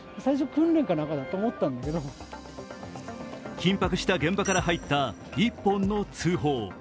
緊迫した現場から入った１本の通報。